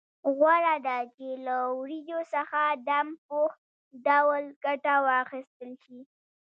غوره ده چې له وریجو څخه دم پوخ ډول ګټه واخیستل شي.